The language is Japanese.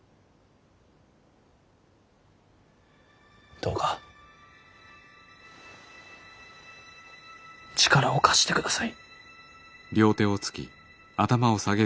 どうか力を貸してください。